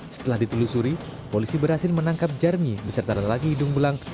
setelah ditelusuri polisi berhasil menangkap jarmi beserta lelaki hidung belang